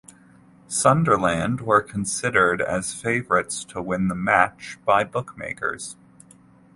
Sunderland were considered as favourites to win the match by bookmakers.